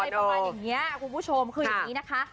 ประมาณอย่างนี้คุณผู้ชมคืออย่างนี้นะคะ